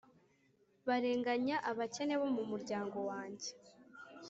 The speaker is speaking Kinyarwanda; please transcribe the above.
barenganya abakene bo mu muryango wanjye,